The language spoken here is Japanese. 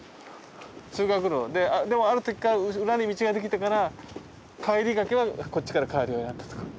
通学路ででもあるときから裏に道ができてから帰りだけはこっちから帰るようになったとか。